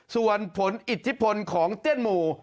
ส่วนผลอิทธิพลของเตี้ยนหมู่